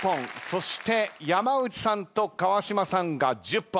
そして山内さんと川島さんが１０本。